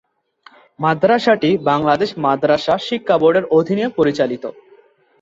মাদ্রাসাটি বাংলাদেশ মাদ্রাসা শিক্ষাবোর্ডের অধীনে পরিচালিত।